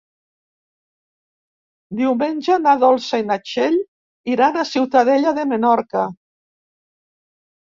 Diumenge na Dolça i na Txell iran a Ciutadella de Menorca.